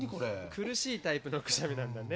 苦しいタイプのくしゃみなんだね。